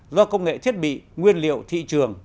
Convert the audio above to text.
do công nghệ thiết bị nguyên liệu thị trường